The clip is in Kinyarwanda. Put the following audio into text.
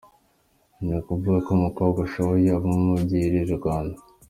Ni ukuvuga ko umukobwa arashoboye, avamo umubyeyi urerera u Rwanda.